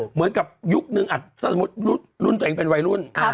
เหมือนกับยุคนึงถ้าสมมุติรุ่นตัวเองเป็นวัยรุ่น